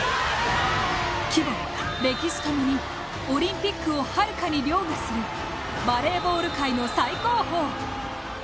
規模、歴史共にオリンピックをはるかにりょうがするバレーボール界の最高峰！